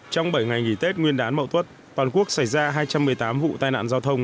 trong bảy ngày nghỉ tết nguyên đán mậu tuất toàn quốc xảy ra hai trăm một mươi tám vụ tai nạn giao thông